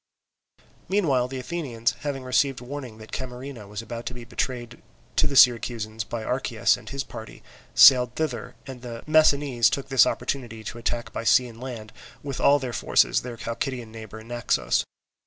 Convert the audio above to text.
Meanwhile the Athenians, having received warning that Camarina was about to be betrayed to the Syracusans by Archias and his party, sailed thither; and the Messinese took this opportunity to attack by sea and land with all their forces their Chalcidian neighbour, Naxos.